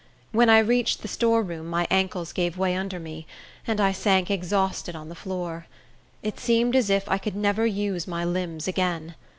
When I reached the storeroom my ankles gave way under me, and I sank exhausted on the floor. It seemed as if I could never use my limbs again.